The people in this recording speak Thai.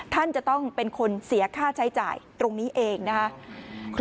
ท่านจะต้องเป็นคนเสียค่าใช้จ่ายตรงนี้เองนะครับ